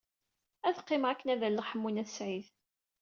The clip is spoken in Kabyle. Ad qqimeɣ akken ad alleɣ Ḥemmu n At Sɛid.